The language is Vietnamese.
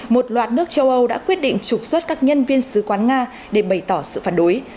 một loạt nước châu âu đã quyết định trục xuất các nhân viên sứ quán nga để bày tỏ sự phản đối